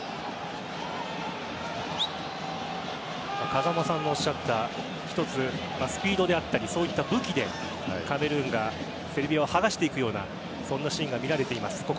風間さんのおっしゃったスピードだったりそういった武器でカメルーンがセルビアをはがしていくようなシーンがここまで見られています。